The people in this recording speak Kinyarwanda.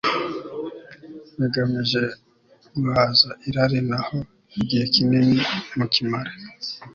bigamije guhaza irari naho igihe kinini mukimare